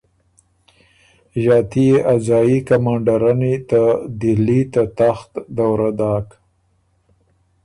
ݫاتي يې ا ځايي کمانډرنی ته دهلی ته تخت دورۀ داک